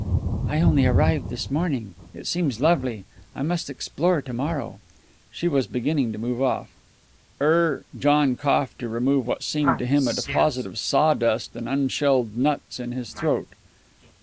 "I only arrived this morning. It seems lovely. I must explore to morrow." She was beginning to move off. "Er " John coughed to remove what seemed to him a deposit of sawdust and unshelled nuts in his throat.